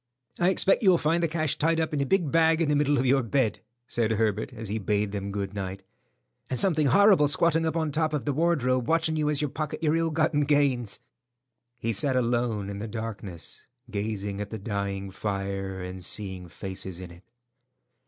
"I expect you'll find the cash tied up in a big bag in the middle of your bed," said Herbert, as he bade them good night, "and something horrible squatting up on top of the wardrobe watching you as you pocket your ill gotten gains." He sat alone in the darkness, gazing at the dying fire, and seeing faces in it.